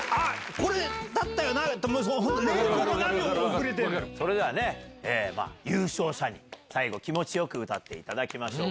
これだったよなと、本当に、それではね、優勝者に最後、気持ちよく歌っていただきましょう。